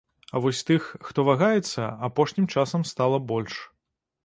А вось тых, хто вагаецца, апошнім часам стала больш.